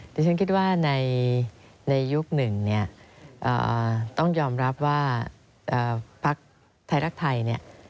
ที่ฉันคิดว่าในยุคหนึ่งต้องยอมรับว่าภักร์ไทยรักไทย